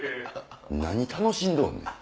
何楽しんどんねん。